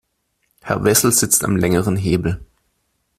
Herr Wessel sitzt am längeren Hebel.